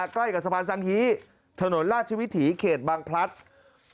ใกล้กับสะพานสังฮีถนนราชวิถีเขตบางพลัด